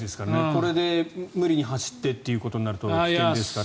これで無理に走ってということになると危険ですから。